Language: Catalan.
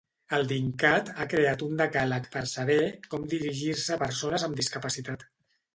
El DinCat ha creat un decàleg per saber com dirigir-se a persones amb discapacitat.